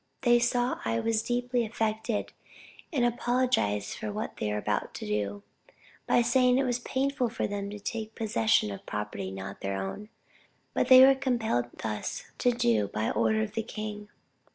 They saw I was deeply affected, and apologized for what they were about to do, by saying that it was painful for them to take possession of property not their own, but they were compelled thus to do by order of the king.